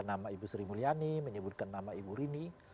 nama ibu sri mulyani menyebutkan nama ibu rini